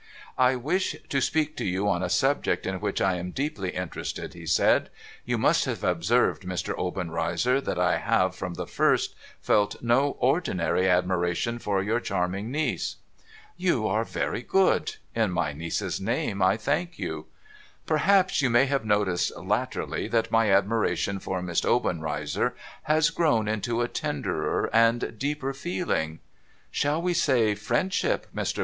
' I wish to speak to you on a subject in which I am deeply interested,' he said. ' You must have observed, Mr. Obenreizer, that I have, from the first, felt no ordinary admiration for your charming niece ?'' You are very good. In my niece's name, I thank you.' ' Perhaps you may have noticed, latterly, that my admiration for Miss Obenreizer has grown into a tenderer and deeper feeling ?'' Shall we say friendship, Mr. Vendale ?' MR.